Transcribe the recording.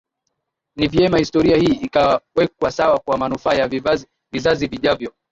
ni vyema historia hii ikawekwa sawa kwa manufaa ya vizazi vijavyo